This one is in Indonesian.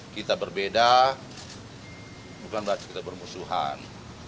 kita berbeda bukan berarti kita bermusuhan